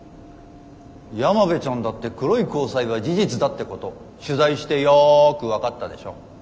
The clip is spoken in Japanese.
山辺ちゃんだって黒い交際は事実だってこと取材してよく分かったでしょ。